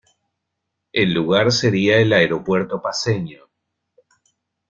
El lugar sería el aeropuerto paceño.